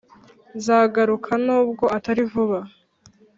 nzagaruka nubwo atari vuba.